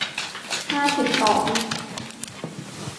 ห้าสิบสอง